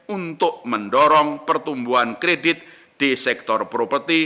untuk mendorong pertumbuhan kredit di sektor properti